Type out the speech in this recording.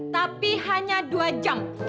tapi hanya dua jam